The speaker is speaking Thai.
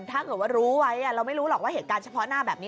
ถ้าเกิดว่ารู้ไว้เราไม่รู้หรอกว่าเหตุการณ์เฉพาะหน้าแบบนี้